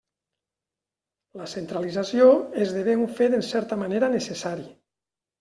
La centralització esdevé un fet en certa manera necessari.